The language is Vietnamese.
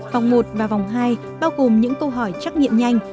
vòng một và vòng hai bao gồm những câu hỏi trắc nghiệm nhanh